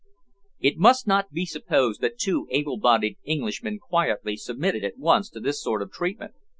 It must not be supposed that two able bodied Englishmen quietly submitted at once to this sort of treatment.